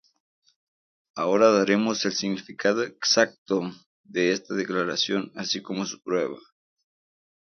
Ahora daremos el significado exacto de esta declaración así como su prueba.